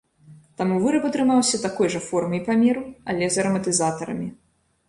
Таму выраб атрымаўся такой жа формы і памеру, але з араматызатарамі.